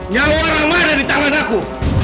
nyawa rama ada di tangan aku